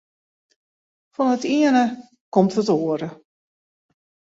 Fan it iene komt it oare.